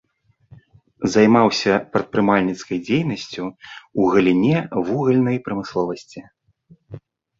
Займаўся прадпрымальніцкай дзейнасцю ў галіне вугальнай прамысловасці.